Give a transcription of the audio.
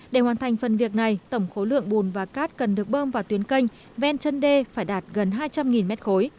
để hoàn thành phần việc này tổng khối lượng bùn và cát cần được bơm vào tuyến canh ven chân đê phải đạt gần hai trăm linh mét khối